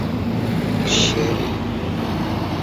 شے